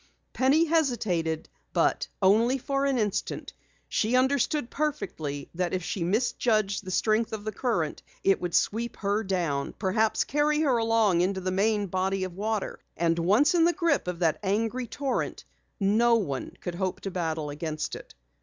Penny hesitated, but only for an instant. She understood perfectly that if she misjudged the strength of the current it would sweep her down perhaps carry her along into the main body of water. Once in the grip of that angry torrent, no one could hope to battle against it.